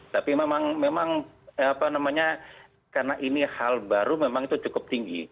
tapi memang karena ini hal baru memang cukup tinggi